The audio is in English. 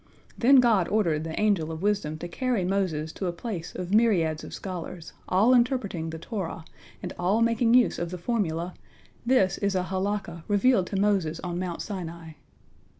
Then God ordered the Angel of Wisdom to carry Moses to a place of myriads of scholars, all interpreting the Torah, and all making use of the formula: This is a Halakah revealed to Moses on Mount Sinai.